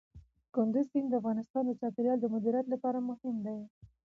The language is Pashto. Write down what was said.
کندز سیند د افغانستان د چاپیریال د مدیریت لپاره مهم دي.